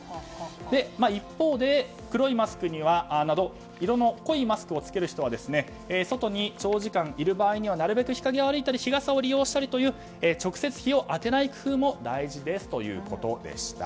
一方で、黒いマスクなど色の濃いマスクを着ける人は外に長時間いる場合にはなるべく日陰を歩いたり日傘を利用したりという直接、日を当てない工夫も大事ですということでした。